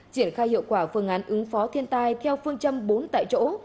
triển khai hiệu quả phương án ứng phó thiên tai theo phương châm bốn tại chỗ